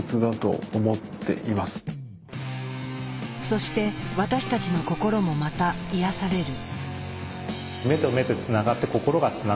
そして私たちの心もまた癒やされる。